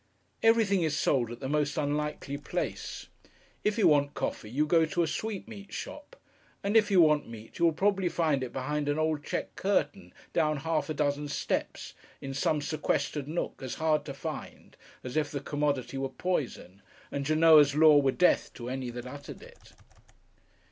Everything is sold at the most unlikely place. If you want coffee, you go to a sweetmeat shop; and if you want meat, you will probably find it behind an old checked curtain, down half a dozen steps, in some sequestered nook as hard to find as if the commodity were poison, and Genoa's law were death to any that uttered it.